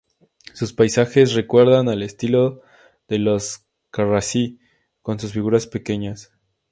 Sus paisajes recuerdan al estilo de los Carracci con sus figuras pequeñas.